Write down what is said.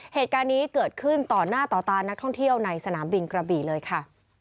เหตุการณ์นี้เกิดขึ้นต่อหน้าต่อตานักท่องเที่ยวในสนามบินกระบี่เลยค่ะ